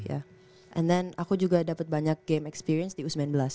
and then aku juga dapat banyak game experience di u sembilan belas